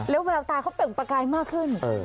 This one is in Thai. แล้วแววตาเขาเปล่งประกายมากขึ้น